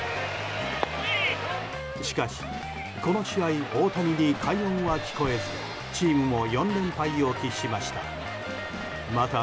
しかし、この試合大谷に快音は聞こえずチームも４連敗を喫しました。